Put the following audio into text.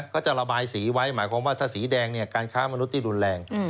ก็จะระบายสีไว้หมายความว่าถ้าสีแดงการค้ามนุษย์ที่รุนแรง